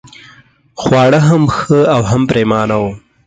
خواړه هم ښه او هم پرېمانه وو.